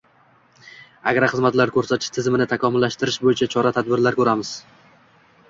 agroxizmatlar ko‘rsatish tizimini takomillashtirish bo‘yicha chora-tadbirlar ko‘ramiz.